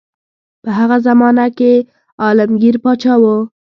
په هغه زمانه کې عالمګیر پاچا وو.